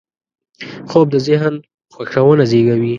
خوب د ذهن خوښونه زېږوي